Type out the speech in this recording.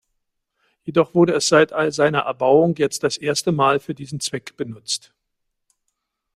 Jedoch wurde es seit seiner Erbauung jetzt das erste Mal für diesen Zweck genutzt.